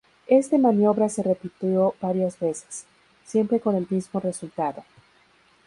Este maniobra se repitió varias veces, siempre con el mismo resultado.